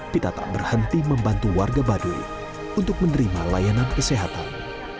pita tak berhenti membantu warga baduy untuk menerima layanan kesehatan